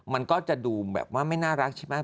มันก็จะดูแบบว่าไม่น่ารักใช่ไหม